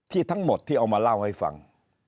ทั้งหมดที่เอามาเล่าให้ฟัง